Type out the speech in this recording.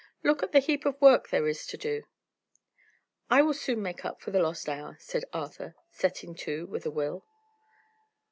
Look at the heap of work there is to do!" "I will soon make up for the lost hour," said Arthur, setting to with a will.